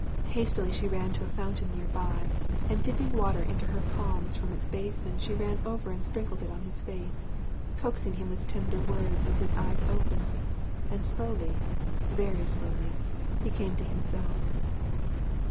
Hastily she ran to a fountain near by, and dipping water into her palms from its basin she ran and sprinkled it on his face, coaxing him with tender words as his eyes opened, and slowly very slowly he came to himself.